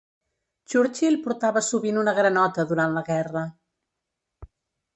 Churchill portava sovint una granota durant la guerra.